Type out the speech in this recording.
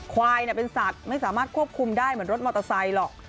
ควายเป็นสัตว์ไม่สามารถควบคุมได้เหมือนรถมอเตอร์ไซค์หรอก